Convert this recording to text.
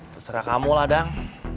terserah kamu lah dang